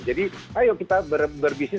jadi ayo kita berbisnis